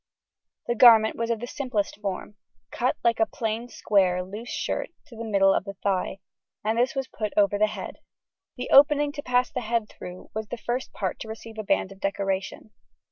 The garment was of the simplest form, cut like a plain square loose shirt to the middle of the thigh, and this was put on over the head. The opening to pass the head through was the first part to receive a band of decoration.